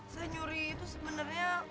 saya nyuri itu sebenernya